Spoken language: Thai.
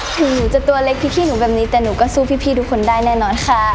หนูจะตัวเล็กพี่หนูแบบนี้แต่หนูก็สู้พี่ทุกคนได้แน่นอนค่ะ